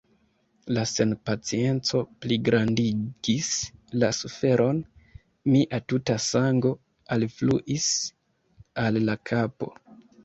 La senpacienco pligrandigis la suferon; mia tuta sango alfluis al la kapo.